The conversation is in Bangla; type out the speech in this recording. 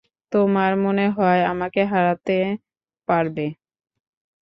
তোমার মনে হয়, আমাকে হারাতে পারবে?